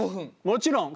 もちろん！